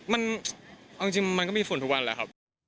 มันเอาจริงมันก็มีฝุ่นทุกวันแหละครับ